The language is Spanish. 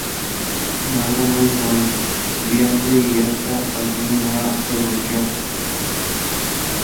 Es algo muy cambiante y está en continua evolución.